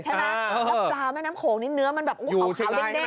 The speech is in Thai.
ใช่ไหมรับปราวแม่น้ำโขงนิดเนื้อมันแบบโอ้ยขาวเด็ก